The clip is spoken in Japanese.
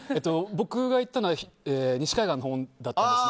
僕が行ったのは西海岸のほうだったんです。